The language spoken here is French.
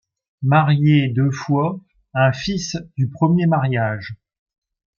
Marié deux fois, un fils du premier mariage.